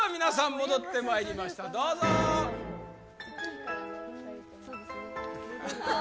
戻ってまいりましたどうぞははははっ